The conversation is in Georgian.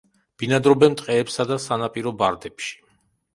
ბინადრობენ ტყეებსა და სანაპირო ბარდებში.